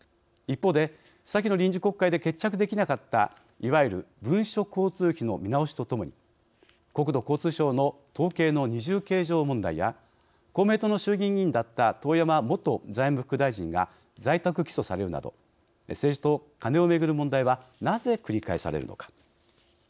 一方で先の臨時国会で決着できなかったいわゆる文書交通費の見直しとともに国土交通省の統計の二重計上問題や公明党の衆議院議員だった遠山元財務副大臣が在宅起訴されるなど政治とカネをめぐる問題はなぜ繰り返されるのか。